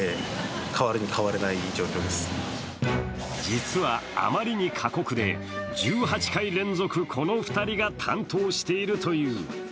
実はあまりに過酷で、１８回連続この２人が担当しているという。